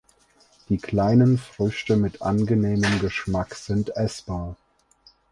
Die kleinen Früchte mit angenehmem Geschmack sind essbar.